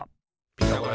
ピタゴラ